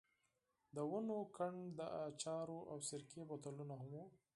د ونو کنډ، د اچارو او سرکې بوتلونه هم وو.